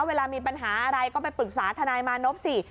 เวลามีปัญหาอะไรก็ไปปรึกษาทนายมานพสิ